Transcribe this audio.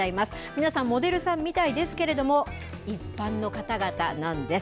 皆さんモデルさんみたいですけれども一般の方々なんです。